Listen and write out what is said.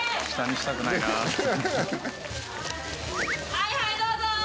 はいはいどうぞー！